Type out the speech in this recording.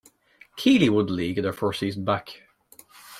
Keighley won the league in their first season back.